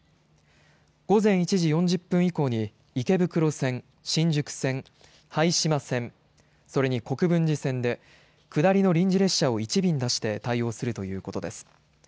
午前１時４０分以降に池袋線、新宿線拝島線それに国分寺線で下りの臨時列車を１便出して対応するということです。